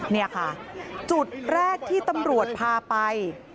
นี่ค่ะจุดแรกที่ตำรวจพาไป